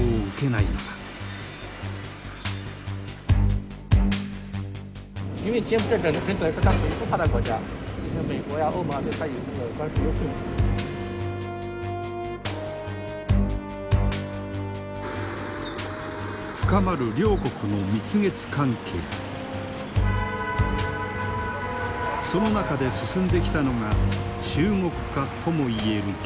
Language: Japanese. その中で進んできたのが中国化ともいえる現象だ。